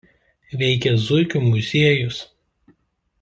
Veikia zuikių muziejus.